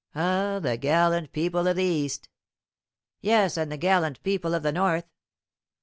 "Ah, the gallant people of the East!" "Yes, and the gallant people of the North!"